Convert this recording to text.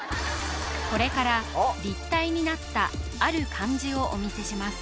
これから立体になったある漢字をお見せします